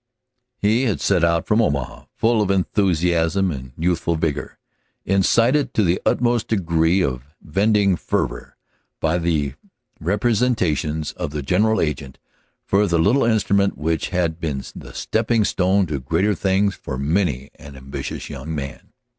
He had set out from Omaha full of enthusiasm and youthful vigor, incited to the utmost degree of vending fervor by the representations of the general agent for the little instrument which had been the stepping stone to greater things for many an ambitious young man.